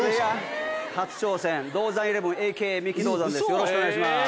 よろしくお願いします。